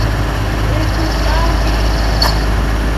Һеҙ дуҫтар бит!